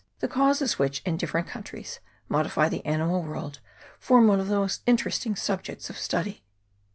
The causes which, in different countries, modify the ani mal world, form one of the most interesting subjects of study.